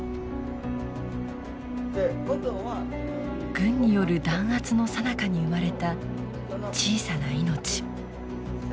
軍による弾圧のさなかに生まれた小さな命。